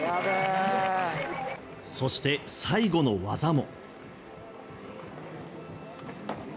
そして、最後の技も。